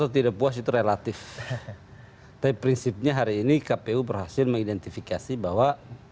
tapi prinsipnya hari ini kpu berhasil mengidentifikasi bahwa